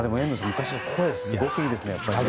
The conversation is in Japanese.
昔、声がすごくいいですね。